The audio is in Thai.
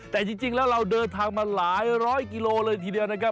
แต่จริงแล้วเราเดินทางมาหลายร้อยกิโลเลยทีเดียวนะครับ